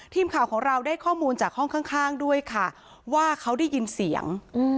ทีมข่าวของเราได้ข้อมูลจากห้องข้างด้วยค่ะว่าเขาได้ยินเสียง